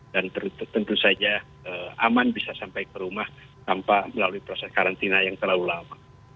dan tentu saja aman bisa sampai ke rumah tanpa melalui proses karantina yang terlalu lama